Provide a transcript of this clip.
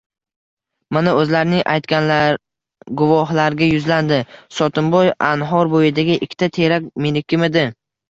Mana oʻzlaring aytinglar, – guvohlarga yuzlandi Sotimboy, – anhor boʻyidagi ikkita terak menikimidi?